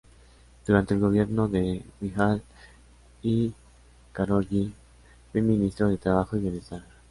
Durante el Gobierno de Mihály Károlyi fue ministro de Trabajo y Bienestar.